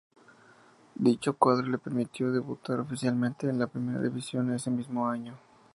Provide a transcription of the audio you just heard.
Dicho cuadro le permitió debutar oficialmente en la primera división ese mismo año.